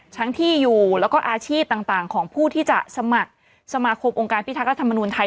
ทั้งที่อยู่แล้วก็อาชีพต่างของผู้ที่จะสมัครสมาคมองค์การพิทักษมนุนไทย